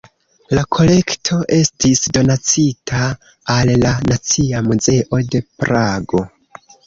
La kolekto estis donacita al la Nacia Muzeo de Prago.